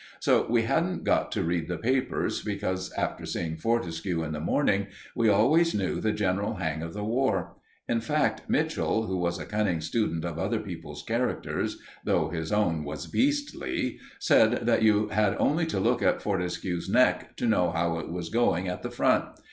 So we hadn't got to read the papers, because, after seeing Fortescue in the morning, we always knew the general hang of the War. In fact, Mitchell, who was a cunning student of other people's characters, though his own was beastly, said that you had only got to look at Fortescue's neck to know how it was going at the Front.